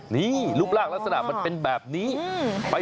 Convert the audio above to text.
นี่รูปร่างลักษณะมันเป็นแบบนี้